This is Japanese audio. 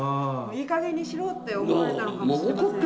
いいかげんにしろって思われたのかもしれませんね。